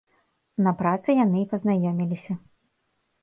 На працы яны і пазнаёміліся.